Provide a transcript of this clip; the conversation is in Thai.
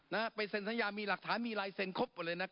ไปเซ็นสัญญามีหลักฐานมีลายเซ็นครบหมดเลยนะครับ